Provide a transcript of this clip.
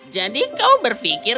jadi kau berpikir